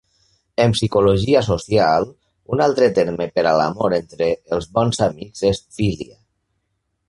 En Psicologia social, un altre terme per a l'amor entre els bons amics és "philia".